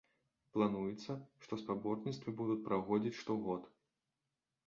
Плануецца, што спаборніцтвы будуць праходзіць штогод.